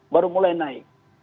baru mulai naik